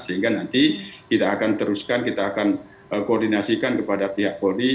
sehingga nanti kita akan teruskan kita akan koordinasikan kepada pihak polri